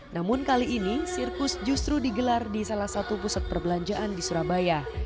namun kali ini sirkus justru digelar di salah satu pusat perbelanjaan di surabaya